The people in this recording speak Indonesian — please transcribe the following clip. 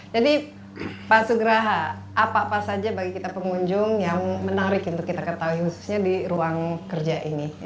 jadi pak sugrahanudin apa apa saja bagi kita pengunjung yang menarik untuk kita ketahui khususnya di ruang kerja ini